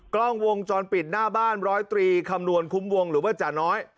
กล้องวงจรปิดหน้าบ้านร้อยตรีคำนวณคุ้มวงหรือว่าจ่าน้อย